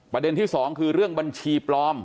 ประเด็นที่สองคือเรื่องบัญชีปลอม